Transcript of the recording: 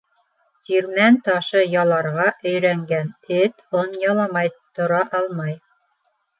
Тирмән ташы яларға өйрәнгән эт он яламай тора алмай.